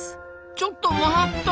ちょっと待った！